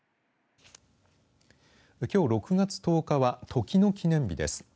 きょう６月１０日は時の記念日です。